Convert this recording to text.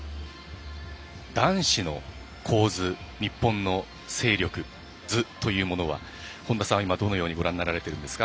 男子の構図日本の勢力図というものは本田さんはどのようにご覧になられてますか？